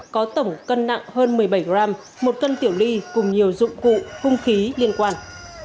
có tổng cân nặng hơn một mươi bảy g một cân tiểu ly cùng nhiều dụng cụ hung khí liên quan